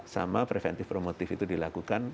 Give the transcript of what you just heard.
sama preventif promotif itu dilakukan